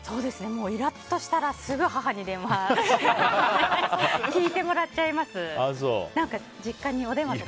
イラッとしたらすぐ母に電話で聞いてもらっちゃいます。